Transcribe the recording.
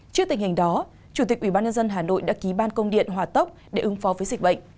trước tình hình đó chủ tịch ubnd hà nội đã ký ban công điện hòa tốc để ứng phó với dịch bệnh